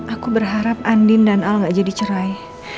aku berharap andin dan al gak jadi cerai